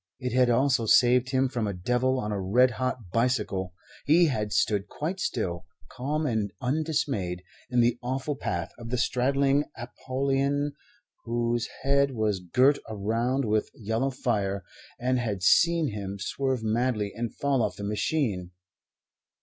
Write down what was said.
It had also saved him from a devil on a red hot bicycle. He had stood quite still, calm and undismayed, in the awful path of the straddling Apollyon whose head was girt around with yellow fire, and had seen him swerve madly and fall off the machine.